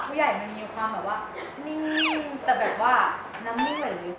พี่ใหญ่มันมีความแบบว่านี่แต่แบบว่าน้ำนิ่งอะไรอยู่